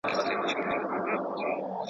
هر سړي ویل په عامه هم په زړه کي.